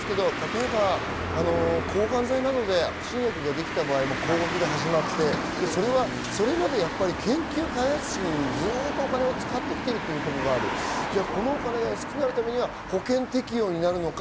抗がん剤などで、例えば新薬ができた時は高額で始まってそれまで研究開発にずっとお金を使ってきているところが、このお金が安くなるには保険適用になるのか